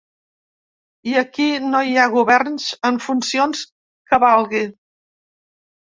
I aquí no hi ha governs en funcions que valgui.